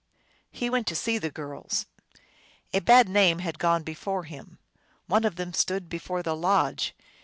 He went to see the girls. A bad name had gone before him. One of them stood before the lodge.